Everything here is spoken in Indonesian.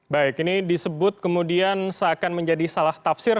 baik ini disebut kemudian seakan menjadi salah tafsir